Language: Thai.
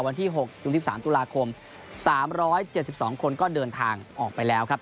วันที่หกตรงสิบสามตุลาคมสามร้อยเจ็ดสิบสองคนก็เดินทางออกไปแล้วครับ